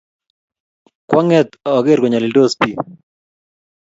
Kwaang'et akere konyalildos piik